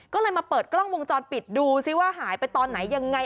ก็เลยมาเปิดกล้องวงจรปิดดูซิว่าหายไปตอนไหนยังไง